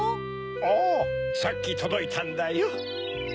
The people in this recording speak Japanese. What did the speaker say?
・ああさっきとどいたんだよ。